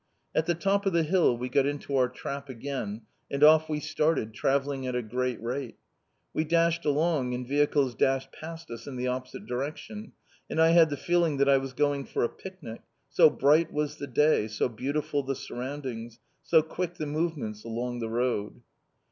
At the top of the hill we got into our trap again, and off we started, travelling at a great rate. We dashed along, and vehicles dashed past us in the opposite direction, and I had the feeling that I was going for a picnic, so bright was the day, so beautiful the surroundings, so quick the movements along the road.